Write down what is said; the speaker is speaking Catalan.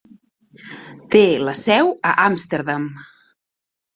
Té la seu a Amsterdam.